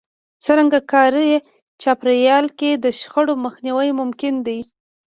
څرنګه کاري چاپېريال کې د شخړو مخنيوی ممکن دی؟